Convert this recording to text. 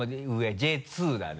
Ｊ２だね。